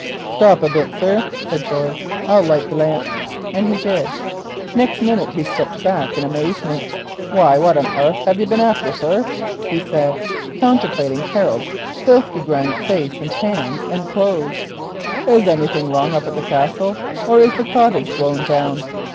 "Stop a bit, sir," said George; "I'll light the lamp;" and he did. Next minute he stepped back in amazement. "Why, what on arth hev you bin after, Colonel?" he said, contemplating Harold's filth begrimed face, and hands, and clothes. "Is anything wrong up at the Castle, or is the cottage blown down?"